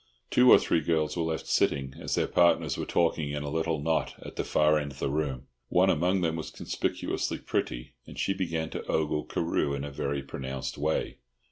Two or three girls were left sitting, as their partners were talking in a little knot at the far end of the room; one among them was conspicuously pretty, and she began to ogle Carew in a very pronounced way.